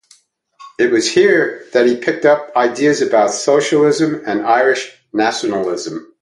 It was here that he picked up ideas about socialism and Irish nationalism.